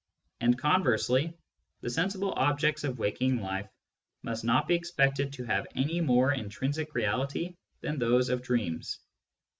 And conversely, the sensible objects of waking life must not be expected to have any more intrinsic reality than those of dreams.